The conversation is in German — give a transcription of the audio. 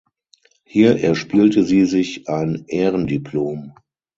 Hier erspielte sie sich ein Ehrendiplom.